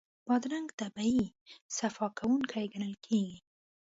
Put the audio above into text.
بادرنګ طبعي صفا کوونکی ګڼل کېږي.